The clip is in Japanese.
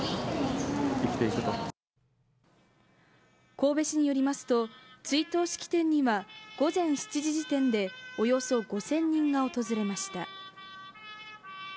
神戸市によりますと、追悼式典には午前７時時点でおよそ５０００人が訪れました。